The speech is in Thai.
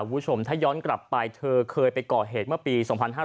คุณผู้ชมถ้าย้อนกลับไปเธอเคยไปก่อเหตุเมื่อปี๒๕๕๘